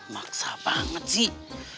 maksa banget sih